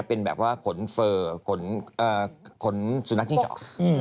เป็นแบบว่าขนเฟอร์ขนเอ่อขนสุนัขชิงช็อกซ์